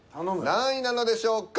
何位なのでしょうか？